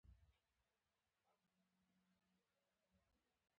ستونزه دا ده چې میراث پاچا ته پاتې کېږي.